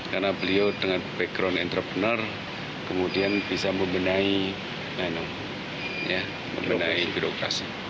karena beliau dengan background entrepreneur kemudian bisa membenahi birokrasi